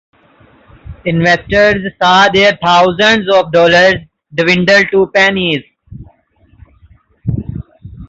Investors saw their thousands of dollars dwindle to pennies.